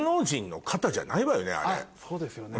そうですよね。